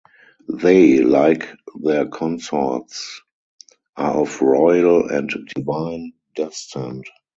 They, like their consorts, are of royal and divine descent.